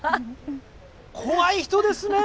怖い人ですね。